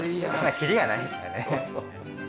きりがないですからね。